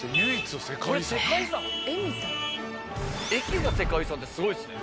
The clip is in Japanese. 駅が世界遺産ってすごいっすね。